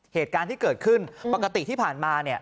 เหตุการณ์ที่เกิดขึ้นปกติที่ผ่านมาเนี่ย